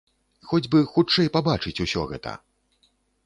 Хоць бы хутчэй пабачыць усё гэта!